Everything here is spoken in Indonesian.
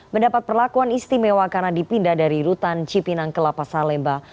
mendapat perlakuan istimewa karena dipindah dari rutan cipinang ke lapa salemba